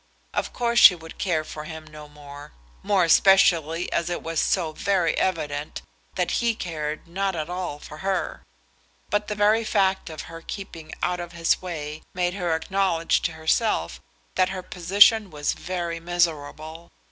Of course she would care for him no more, more especially as it was so very evident that he cared not at all for her. But the very fact of her keeping out of his way, made her acknowledge to herself that her position was very miserable.